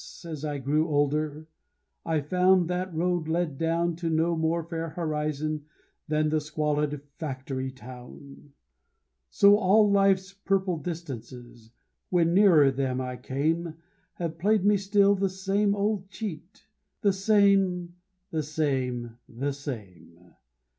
as I grew older, I found that road led down To no more fair horizon than the squalid factory town: So all life's purple distances, when nearer them I came, Have played me still the same old cheat, the same, the same, the same!